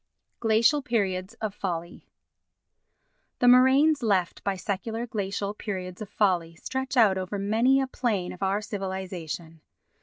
Glacial Periods of Folly The moraines left by secular glacial periods of folly stretch out over many a plain of our civilisation.